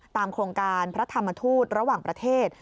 โครงการพระธรรมทูตระหว่างประเทศ